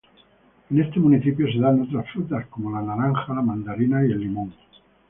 En este municipio se dan otras frutas como la naranja, mandarina y limón.